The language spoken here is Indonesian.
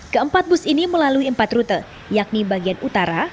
keempat bus ini melalui empat rute yakni bagian utara